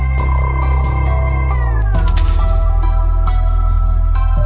โปรดติดตามต่อไป